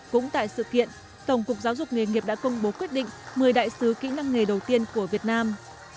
cũng tại sự kiện tổng cục giáo dục nghề nghiệp đã công bố quyết định một mươi đại sứ kỹ năng nghề đầu tiên của việt nam